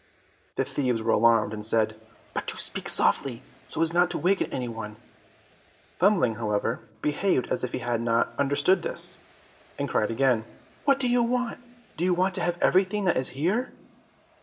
The thieves were alarmed, and said, "But do speak softly, so as not to waken any one!" Thumbling however, behaved as if he had not understood this, and cried again, "What do you want? Do you want to have everything that is here?"